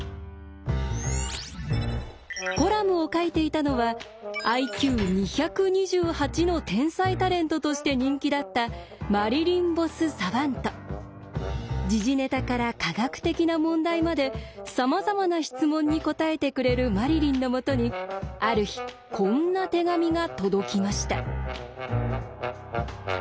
コラムを書いていたのはＩＱ２２８の天才タレントとして人気だった時事ネタから科学的な問題までさまざまな質問に答えてくれるマリリンのもとにある日こんな手紙が届きました。